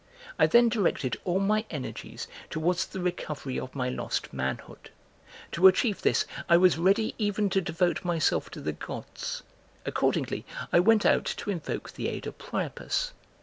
I then directed all my energies towards the recovery of my lost manhood. To achieve this I was ready even to devote myself to the gods; accordingly, I went out to invoke the aid of Priapus.)